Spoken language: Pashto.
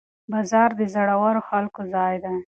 بازار د زړورو خلکو ځای دی.